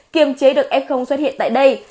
kiềm chế được f xuất hiện tại đây